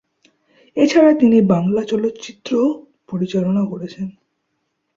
এছাড়া তিনি বাংলা চলচ্চিত্রও পরিচালনা করেছেন।